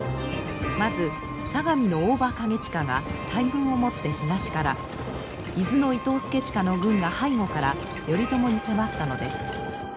まず相模の大庭景親が大軍をもって東から伊豆の伊東祐親の軍が背後から頼朝に迫ったのです。